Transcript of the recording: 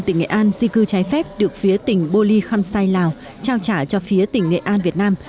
tỉnh nghệ an di cư trái phép được phía tỉnh bô ly khăm say lào trao trả cho phía tỉnh nghệ an việt nam